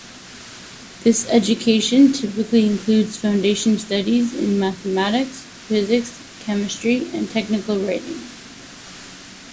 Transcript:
This education typically includes foundation studies in mathematics, physics, chemistry, and technical writing.